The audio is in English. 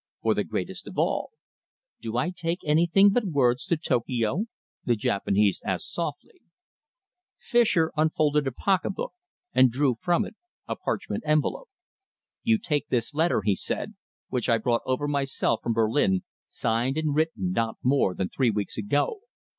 "For the greatest of all." "Do I take anything but words to Tokio?" the Japanese asked softly. Fischer unfolded a pocketbook and drew from it a parchment envelope. "You take this letter," he said, "which I brought over myself from Berlin, signed and written not more than three weeks ago.